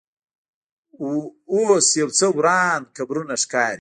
اوس یو څو وران قبرونه ښکاري.